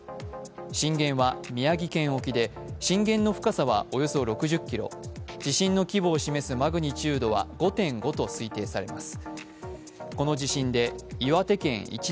震源は宮城県沖で震源の深さはおよそ６０ｋｍ、地震の規模を示すマグニチュードは５．５と推定されます。